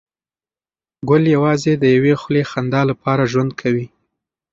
ګل یوازې د یوې خولې خندا لپاره ژوند کوي.